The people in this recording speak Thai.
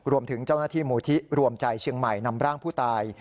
รวมถึงเจ้าหน้าที่มูลที่รวมใจเชียงใหม่นำร่างผู้ตาย